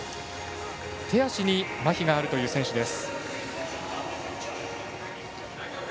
手足にまひがあるという選手です。